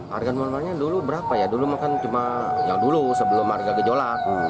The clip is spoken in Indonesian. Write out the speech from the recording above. harganya dulu berapa ya dulu makan cuma ya dulu sebelum harga gejolak